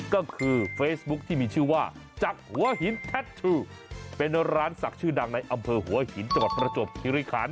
ก็คือเฟซบุ๊คที่มีชื่อว่าจากหัวหินแพทือเป็นร้านศักดิ์ชื่อดังในอำเภอหัวหินจังหวัดประจวบคิริคัน